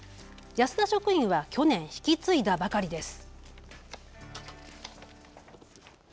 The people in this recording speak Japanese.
安田職員は去年引き継いだばかりです。